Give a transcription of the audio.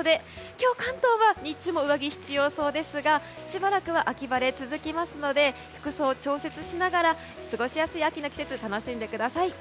今日、関東は日中も上着が必要そうですがしばらくは秋晴れが続きますので服装を調節しながら過ごしやすい秋の季節を楽しんでください。